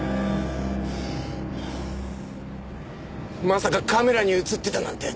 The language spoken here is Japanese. まさかカメラに映ってたなんて。